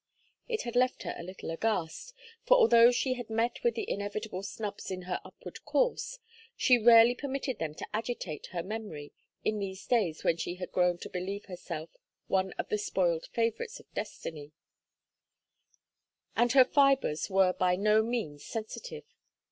It had left her a little aghast, for although she had met with the inevitable snubs in her upward course, she rarely permitted them to agitate her memory in these days when she had grown to believe herself one of the spoiled favorites of destiny; and her fibres were by no means sensitive.